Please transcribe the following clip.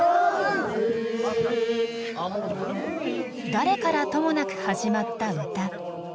誰からともなく始まった歌。